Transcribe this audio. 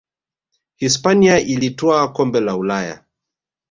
hispania ilitwaa kombe la ulaya